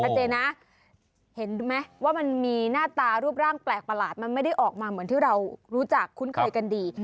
เจนะเห็นไหมว่ามันมีหน้าตารูปร่างแปลกประหลาดมันไม่ได้ออกมาเหมือนที่เรารู้จักคุ้นเคยกันดี